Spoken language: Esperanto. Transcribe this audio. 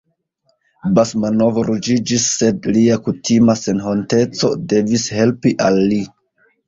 Basmanov ruĝiĝis, sed lia kutima senhonteco devis helpi al li.